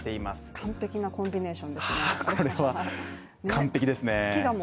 完璧なコンビネーションです